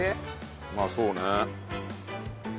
まあそうね。